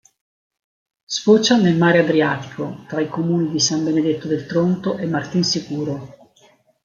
Sfocia nel Mare Adriatico tra i comuni di San Benedetto del Tronto e Martinsicuro.